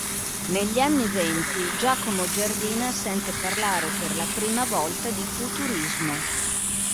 Negli anni venti Giacomo Giardina sente parlare per la prima volta di Futurismo.